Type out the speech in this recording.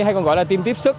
hay còn gọi là team tiếp sức